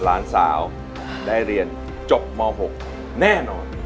หลานสาวได้เรียนจบม๖แน่นอน